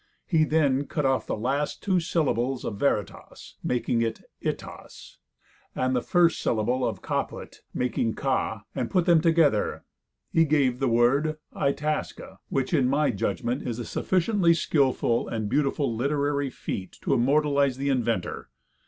He then cut off the last two syllables of veritas, making "Itas," and the first syllable of caput, making "ca," and, putting them together, he gave the word "Itasca," which, in my judgment, is a sufficiently skillful and beautiful literary feat to immortalize the inventor.